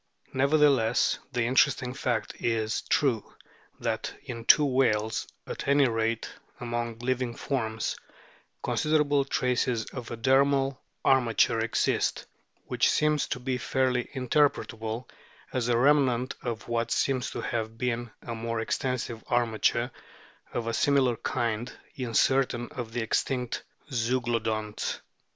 Nevertheless, the interesting fact is true, that in two whales, at any rate, among living forms, considerable traces of a dermal armature exist, which seems to be fairly interpretable as a remnant of what seems to have been a more extensive armature of a similar kind in certain of the extinct Zeuglodonts.